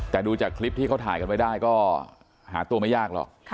แต่ดูจากคลิปที่เขาถ่ายกันไว้ได้ก็หาตัวไม่ยากหรอก